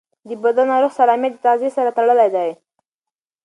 د بدن او روح سالمیت د تغذیې سره تړلی دی.